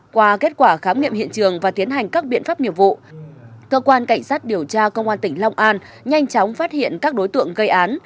qua kết quả khám nghiệm hiện trường và tiến hành các biện pháp nghiệp vụ cơ quan cảnh sát điều tra công an tỉnh long an nhanh chóng phát hiện các đối tượng gây án